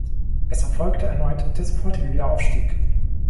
Es erfolgte erneut der sofortige Wiederaufstieg.